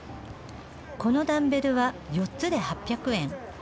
このダンベルは４つで８００円。